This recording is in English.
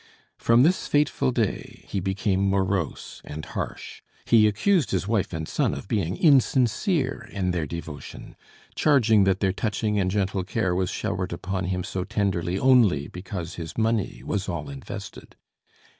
From this fateful day he became morose and harsh. He accused his wife and son of being insincere in their devotion, charging that their touching and gentle care was showered upon him so tenderly only because his money was all invested.